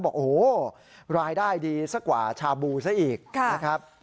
บอกโอ้โหรายได้ดีสักกว่าชาบูซะอีกนะครับ